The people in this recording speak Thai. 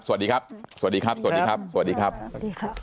สวัสดีครับสวัสดีครับสวัสดีครับสวัสดีครับสวัสดีครับ